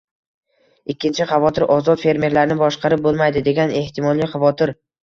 Ikkinchi xavotir. Ozod fermerlarni boshqarib bo‘lmaydi, degan ehtimoliy xavotir.